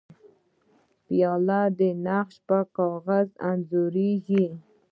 پیاله د نقاش پر کاغذ انځورېږي.